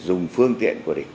dùng phương tiện của địch